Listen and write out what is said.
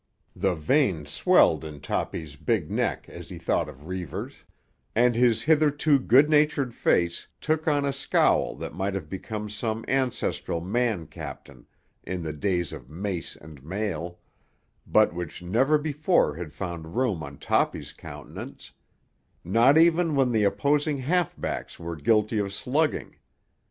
The veins swelled in Toppy's big neck as he thought of Reivers, and his hitherto good natured face took on a scowl that might have become some ancestral man captain in the days of mace and mail, but which never before had found room on Toppy's countenance—not even when the opposing half backs were guilty of slugging.